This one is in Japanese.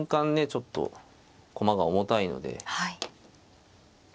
ちょっと駒が重たいので。